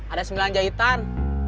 ada sembilan jahitan